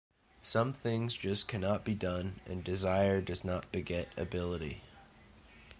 Some things just cannot be done, and desire does not beget ability.